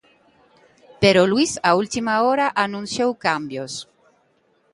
Pero, Luís, á última hora, anunciou cambios...